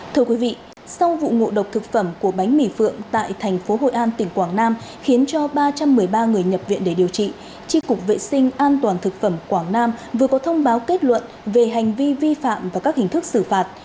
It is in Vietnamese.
thưa quý vị sau vụ ngộ độc thực phẩm của bánh mì phượng tại thành phố hội an tỉnh quảng nam khiến cho ba trăm một mươi ba người nhập viện để điều trị tri cục vệ sinh an toàn thực phẩm quảng nam vừa có thông báo kết luận về hành vi vi phạm và các hình thức xử phạt